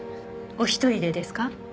お一人でですか？